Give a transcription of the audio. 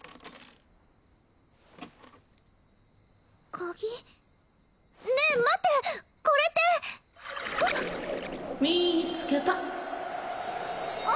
鍵？ねえ待ってこれってあっ！